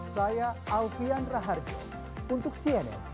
saya alfian raharjo untuk cnn